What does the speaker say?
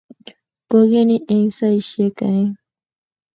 Koigeny eng saishek aeng